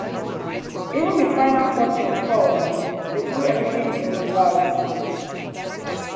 When the final curtain falls, they do everything in reverse.